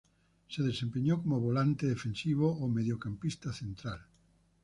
Se desempeñó como volante defensivo o mediocampista central.